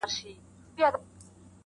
د زړه لاسونه مو مات ، مات سول پسي,